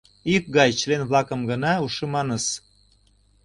Икгай член-влакым гына ушыманыс!